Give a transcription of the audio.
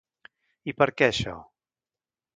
I per què, això?